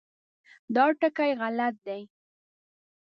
دا ټکي غلط دي.